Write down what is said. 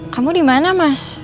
kamu dimana mas